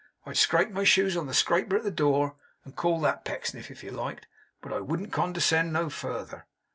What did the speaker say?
I'd scrape my shoes on the scraper of the door, and call that Pecksniff, if you liked; but I wouldn't condescend no further.